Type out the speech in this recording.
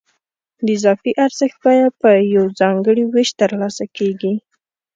د اضافي ارزښت بیه په یو ځانګړي وېش ترلاسه کېږي